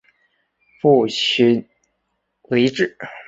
父亲厍狄峙。